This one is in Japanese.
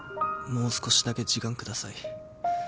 もう少しだけ時間下さい。